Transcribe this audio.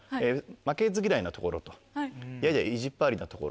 負けず嫌いなところとやや意地っ張りなところと。